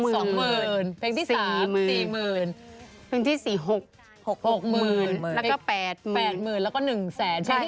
สวัสดีค่ะสวัสดีค่ะ